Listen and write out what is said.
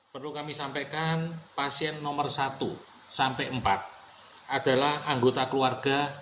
perlu kami sampaikan pasien nomor satu sampai empat adalah anggota keluarga